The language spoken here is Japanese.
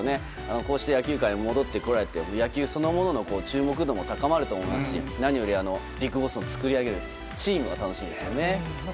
こうして野球界に戻ってこられて野球そのものの注目度も高まると思いますし何よりビッグボスの作り上げるチームが楽しみですよね。